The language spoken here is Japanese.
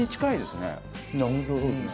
本当そうですね。